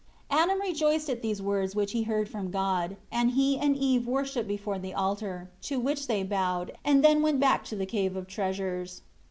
17 Adam rejoiced at these words which he heard from God; and he and Eve worshipped before the altar, to which they bowed, and then went back to the Cave of Treasures.